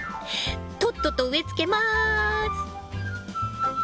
とっとと植えつけます。